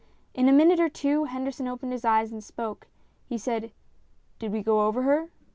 In a minute or two Henderson opened his eyes and spoke. He said, " Did we go over her